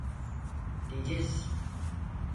Deniz…